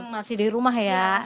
masih di rumah ya